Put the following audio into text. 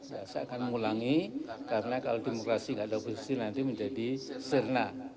saya akan mengulangi karena kalau demokrasi tidak ada oposisi nanti menjadi serna